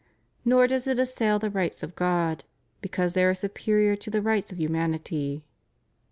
Nor does it assail the rights of God because they are superior to the rights of humanity.